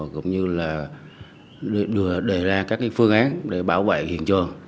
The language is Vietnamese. cũng như là đưa đề ra các phương án để bảo vệ hiện trường